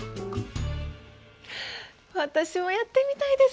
私もやってみたいです！